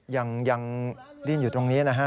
ยังดิ้นอยู่ตรงนี้นะฮะ